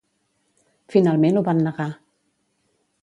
Finalment ho van negar.